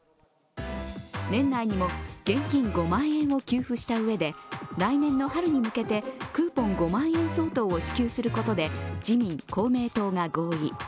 年内にも現金５万円を給付したうえで来年の春に向けてクーポン５万円相当を支給することで自民・公明党が合意。